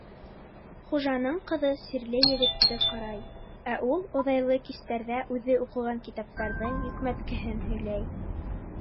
Хужаның ҡыҙы сирле егетте ҡарай, ә ул оҙайлы кистәрҙә үҙе уҡыған китаптарҙың йөкмәткеһен һөйләй.